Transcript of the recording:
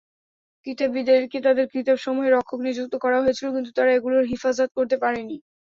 কিতাবীদেরকে তাদের কিতাবসমূহের রক্ষক নিযুক্ত করা হয়েছিল, কিন্তু তারা এগুলোর হিফাজত করতে পারেনি।